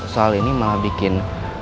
soal ini malah bikin